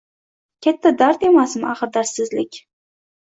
Katta dard emasmi axir dardsizlik.